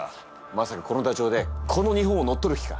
まさかこのダチョウでこの日本を乗っ取る気か？